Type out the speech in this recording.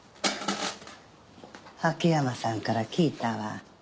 秋山さんから聞いたわ。